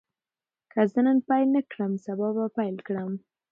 که زه نن پیل نه کړم، سبا به پیل کړم.